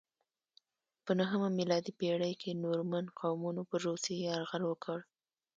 په نهمه میلادي پیړۍ کې نورمن قومونو پر روسیې یرغل وکړ.